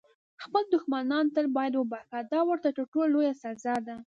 خپل دښمنان تل باید وبخښه، دا ورته تر ټولو لویه سزا ده.